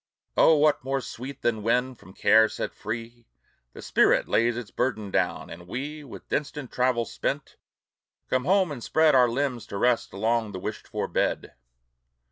Oh, what more sweet than when, from care set free, The spirit lays its burden down, and we, With distant travel spent, come home and spread Our limbs to rest along the wished for bed!